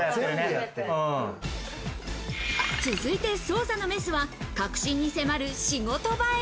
続いて捜査のメスは、核心に迫る仕事場へ。